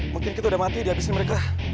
mungkin kita udah mati di abis ini mereka